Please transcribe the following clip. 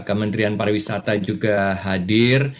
kementerian pariwisata juga hadir